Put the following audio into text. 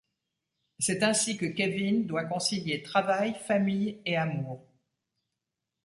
C'est ainsi que Kevin doit concilier travail, famille et amour.